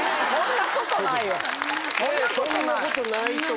そんなことない。